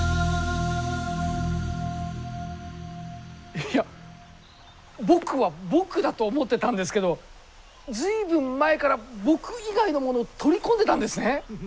いや僕は僕だと思ってたんですけど随分前から僕以外のものを取り込んでたんですね。